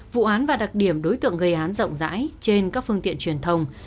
vụ án và đặc điểm đối tượng gây án rộng rãi trên các phương tiện truyền thông